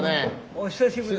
お久しぶり。